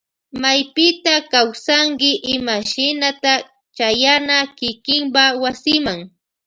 Maypita kawsanki imashinata chayana kikinpa wasima.